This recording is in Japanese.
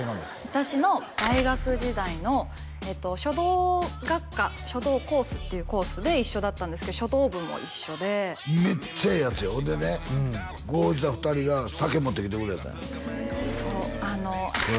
私の大学時代の書道学科書道コースっていうコースで一緒だったんですけど書道部も一緒でめっちゃええヤツよほんでねこいつら２人が酒持ってきてくれたんやへえ